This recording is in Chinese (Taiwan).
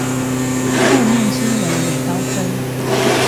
負面新聞也高分